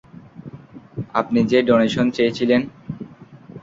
আপনি যে ডোনেশন চেয়েছিলেন।